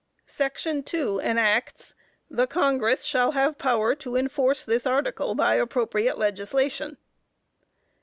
Section two enacts, that "_The Congress shall have power to enforce this Article by appropriate legislation.